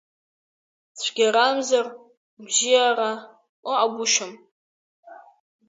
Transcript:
Цәгьарамзар, бзиара ыҟагушьам!